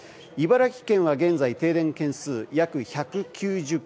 茨城県は現在停電軒数が約１９０軒。